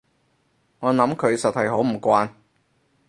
我諗佢實係好唔慣